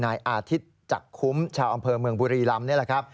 นายอาทิตย์จักรคุ้มชาวอำเภอเมืองบุรีรำ